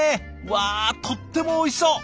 わあとってもおいしそう！